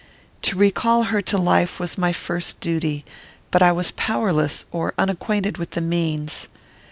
To recall her to life was my first duty; but I was powerless, or unacquainted with the means.